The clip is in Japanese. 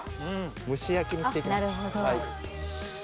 蒸し焼きにして行きます。